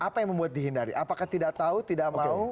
apa yang membuat dihindari apakah tidak tahu tidak mau